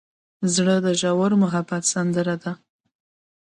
زړه د ژور محبت سندره ده.